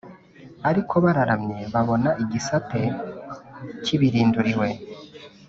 Ariko bararamye babona igitare kibirunduriwe